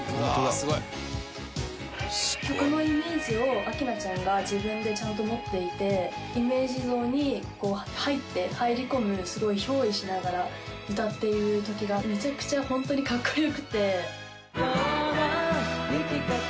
「うわすごい！」曲のイメージを明菜ちゃんが自分でちゃんと持っていてイメージ像にこう入って入り込むすごい憑依しながら歌っている時がめちゃくちゃホントにかっこよくて。